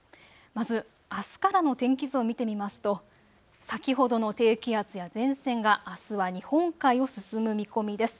まずあすからの天気図を見てみますと先ほどの低気圧や前線があすは日本海を進む見込みです。